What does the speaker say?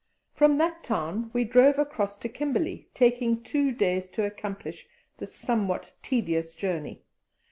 From that town we drove across to Kimberley, taking two days to accomplish this somewhat tedious journey.